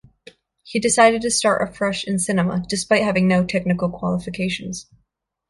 He decided to start afresh in cinema, despite having no technical qualifications.